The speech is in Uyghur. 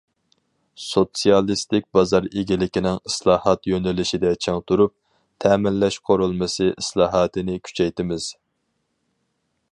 سوتسىيالىستىك بازار ئىگىلىكىنىڭ ئىسلاھات يۆنىلىشىدە چىڭ تۇرۇپ، تەمىنلەش قۇرۇلمىسى ئىسلاھاتىنى كۈچەيتىمىز.